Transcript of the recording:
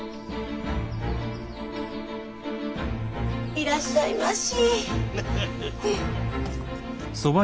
いらっしゃいまし。